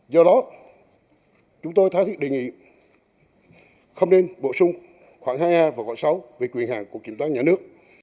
do đó chúng tôi thái thiết đề nghị không nên bổ sung khoảng hai a và khoảng sáu a về quyền hạn của kiểm toán nhà nước